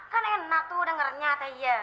kan enak tuh dengarnya teh ya